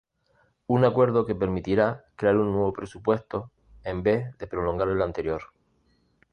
Un acuerdo que permitirá crear un nuevo presupuesto, en vez de prolongar el anterior.